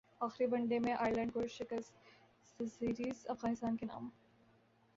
اخری one day میں Ireland کو شکستسیریز افغانستان کے نام